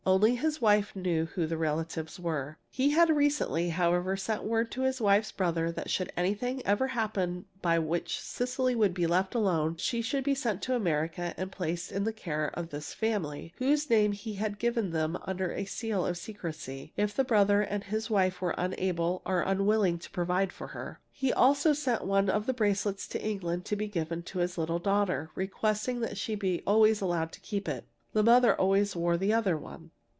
Only his wife knew who these relatives were. He had recently, however, sent word to his wife's brother that should anything ever happen by which Cecily would be left alone, she should be sent to America and placed in the care of this family, whose name he had given them under the seal of secrecy, if the brother and his wife were unable or unwilling to provide for her. He also sent one of the bracelets to England to be given to his little daughter, requesting that she be always allowed to keep it. The mother always wore the other one.